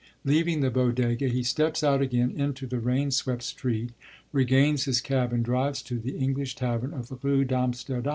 Leaving the 'Bodéga,' he steps out again into the rain swept street, regains his cab, and drives to the English tavern of the Rue d'Amsterdam.